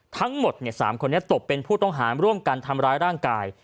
ทั้งหมด๓คนนี้ตกเป็นผู้ต้องหาร่วมกันทำร้ายร่างกาย